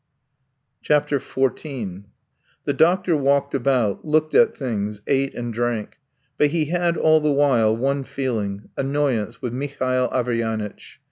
XIV The doctor walked about, looked at things, ate and drank, but he had all the while one feeling: annoyance with Mihail Averyanitch.